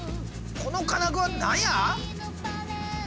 この金具は何や？